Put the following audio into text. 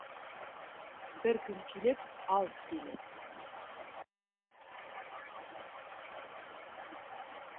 Бер көн килеп «ал» тине